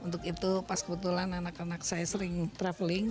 tuh pas kebetulan anak anak saya sering traveling